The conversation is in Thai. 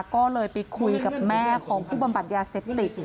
ก็เลยไปคุยกับแม่ของผู้บำบัดยาเสพติด